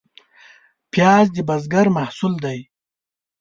پیاز د بزګر محصول دی